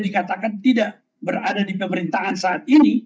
dikatakan tidak berada di pemerintahan saat ini